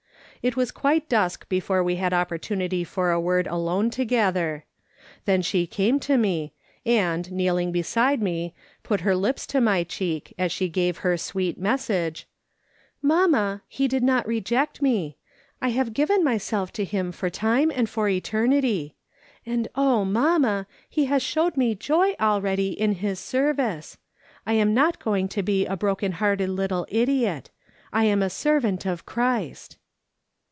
It was quite dusk before we had opportunity for a word alone together. Then she came to me, and, kneeling beside me, put her lips to my cheek as she gave her sweet message :" Mamma, He did not reject me. I have given •myself to him for time and for eternity. And oh, mamma, he has showed me joy already in his service. I am not going to be a broken hearted little idiot. I am a servant of Christ."